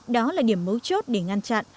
đó là điểm mấu chốt để ngăn chặn